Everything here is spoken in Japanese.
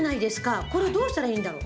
これどうしたらいいんだろう？